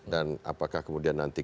dan apakah kemudian nanti